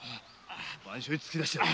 番所へ突き出してやる。